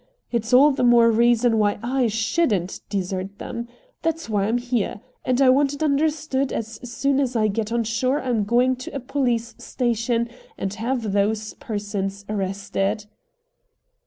It's all the more reason why I SHOULDN'T desert them. That's why I'm here! And I want it understood as soon as I get on shore I'm going to a police station and have those persons arrested."